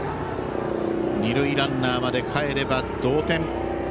二塁ランナーまでかえれば同点。